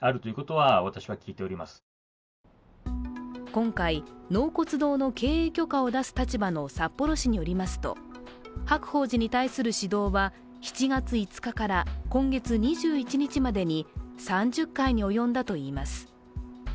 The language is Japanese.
今回、納骨堂の経営許可を出す立場の札幌市によりますと白鳳寺に対する指導は７月５日から今月２１日までに３０回に及んだといいます。